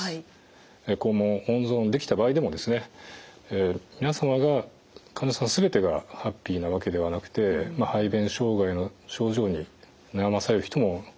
肛門を温存できた場合でも皆様が患者さん全てがハッピーなわけではなくて排便障害の症状に悩まされる人も実はいるんですね。